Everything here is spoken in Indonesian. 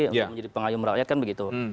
untuk menjadi pengayum rakyat kan begitu